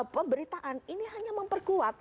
pemberitaan ini hanya memperkuat